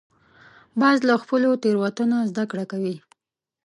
باز له خپلو تېرو نه زده کړه کوي